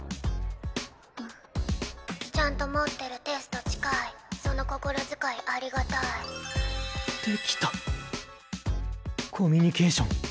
ちゃんと持ってるテスト近いその心遣いありがたいコミュニケーション